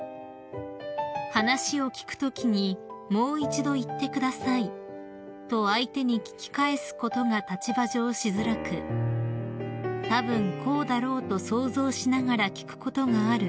［「話を聞くときに『もう一度言ってください』と相手に聞き返すことが立場上しづらくたぶんこうだろうと想像しながら聞くことがある」と率直に語られました］